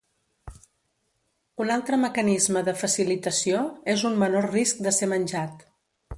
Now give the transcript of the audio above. Un altre mecanisme de facilitació és un menor risc de ser menjat.